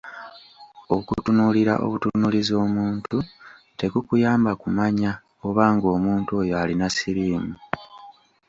Okutunuulira obutuunuulizi omuntu tekukuyamba kumanya oba ng’omuntu oyo alina siriimu.